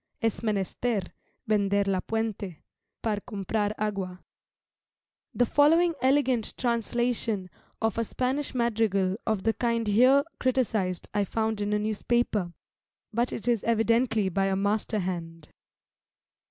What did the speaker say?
Es menester, vender la puente, par comprar agua. The following elegant translation of a Spanish madrigal of the kind here criticised I found in a newspaper, but it is evidently by a master hand.